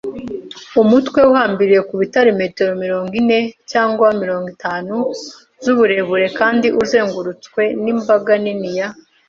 umutwe uhambiriye ku bitare metero mirongo ine cyangwa mirongo itanu z'uburebure kandi uzengurutswe n'imbaga nini ya